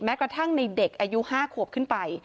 กระทั่งในเด็กอายุ๕ขวบขึ้นไป